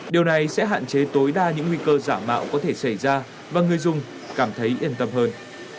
điều này sẽ hạn chế tối đa những nguy cơ giả mạo có thể xảy ra và người dùng cảm thấy yên tâm hơn